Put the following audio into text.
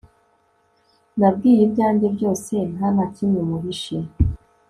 nabwiye ibyanjye byooose ntanakimwe muhishe